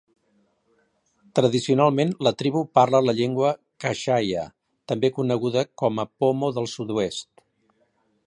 Tradicionalment la tribu parla la llengua kashaya, també coneguda com a pomo del sud-oest.